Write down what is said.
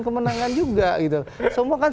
kemenangan juga semua kan